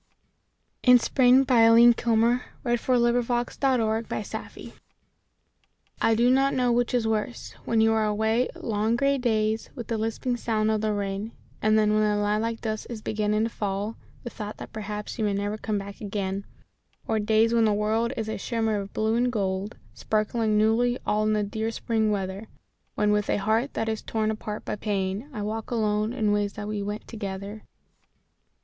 wish I were afraid again, My dear, my dear! Aline Kilmer In Spring I DO not know which is worse when you are away: Long grey days with the lisping sound of the rain And then when the lilac dusk is beginning to fall The thought that perhaps you may never come back again; Or days when the world is a shimmer of blue and gold, Sparkling newly all in the dear spring weather, When with a heart that is torn apart by pain I walk alone in ways that we went together.